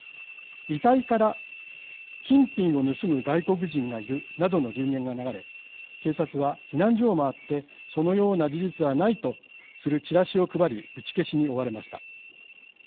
遺体から金品を盗む外国人がいるなどの流言が流れ警察は避難所を回ってそのような事実はないとするチラシを配り打ち消しに追われました。